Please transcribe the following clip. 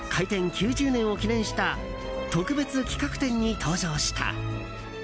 ９０年を記念した特別企画展に登場した。